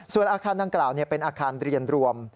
ส่วนอาคารดังกล่าวเป็นอาคารเรียนรวม